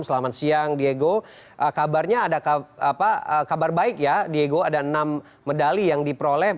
selamat siang diego kabarnya ada kabar baik ya diego ada enam medali yang diperoleh